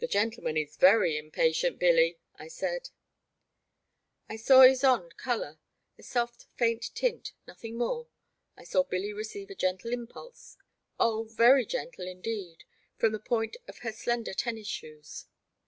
'*The gentleman is very impatient, Billy,*' I said. The Black Water. 1 33 I saw Ysonde colour — a soft faint tint, nothing more ; I saw Billy receive a gentle impulse— oh, very gentle indeed, from the point of her slender tennis shoes.